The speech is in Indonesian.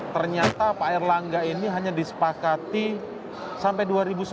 ternyata pak erlangga ini hanya disepakati sampai dua ribu sembilan belas